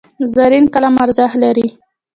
زرین قلم ارزښت لري.